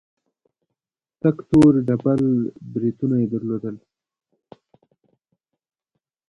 تک تور ډبل برېتونه يې درلودل.